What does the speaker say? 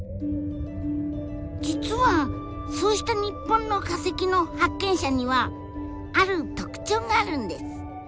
実はそうした日本の化石の発見者にはある特徴があるんです。